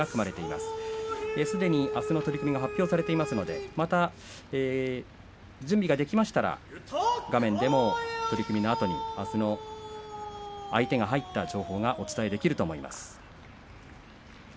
すでにあすの取組が発表されていますのでまた準備ができましたら画面でも取組後に、あすの相手が入った情報をお伝えしたいと思います。